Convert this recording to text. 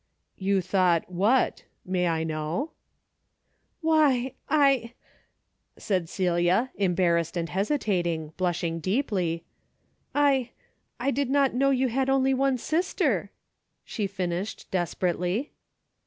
" You thought what, — may I know ?" "Why, I —" said Celia, embarrassed and hesitating, blushing deeply, "I — I did not know you had only one sister !" she finished, desperately.